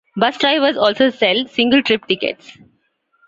Bus drivers also sell single-trip tickets.